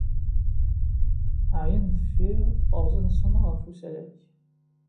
Ɛyan deffir terzi-nsen ɣef usalay.